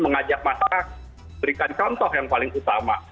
mengajak masyarakat berikan contoh yang paling utama